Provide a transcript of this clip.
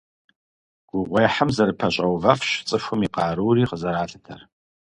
Гугъуехьым зэрыпэщӀэувэфщ цӀыхум и къарури къызэралъытэр.